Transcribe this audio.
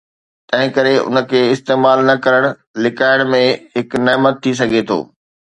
تنهن ڪري ان کي استعمال نه ڪرڻ لڪائڻ ۾ هڪ نعمت ٿي سگهي ٿو.